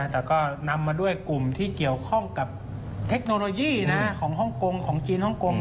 แต่ก็นำมาด้วยกลุ่มที่เกี่ยวข้องกับเทคโนโลยีของฮ่องกงของจีนฮ่องกง